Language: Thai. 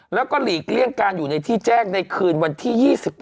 แล้วก็หลีกเลี่ยงการอยู่ในที่แจ้งในคืนวันที่๒๖